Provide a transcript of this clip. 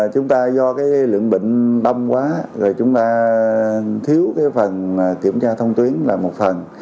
chúng ta do lượng bệnh đông quá chúng ta thiếu phần kiểm tra thông tuyến là một phần